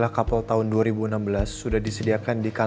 terus kamu nikah sama dia